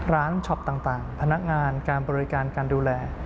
ช็อปต่างพนักงานการบริการการดูแล